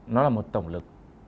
nó là một tổng lực